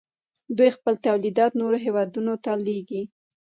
دوی خپل تولیدات نورو هیوادونو ته لیږي.